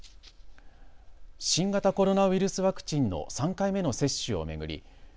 新型コロナウイルスワクチンの３回目の接種を巡り